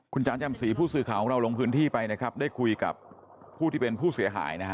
คุณจ๋าจำศรีผู้สื่อข่าวของเราลงพื้นที่ไปนะครับได้คุยกับผู้ที่เป็นผู้เสียหายนะฮะ